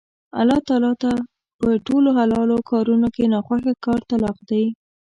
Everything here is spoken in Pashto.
الله تعالی ته په ټولو حلالو کارونو کې نا خوښه کار طلاق دی